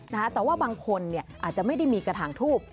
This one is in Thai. แต่ว่าบางคนเนี่ยอาจจะไม่ได้มีกระถางทูบ